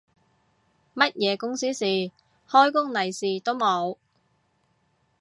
乜嘢公司事，開工利是都冇